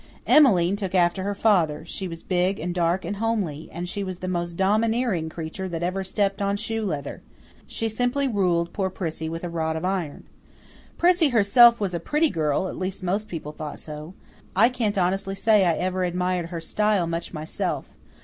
Emmeline took after her father; she was big and dark and homely, and she was the most domineering creature that ever stepped on shoe leather. She simply ruled poor Prissy with a rod of iron. Prissy herself was a pretty girl at least most people thought so. I can't honestly say I ever admired her style much myself.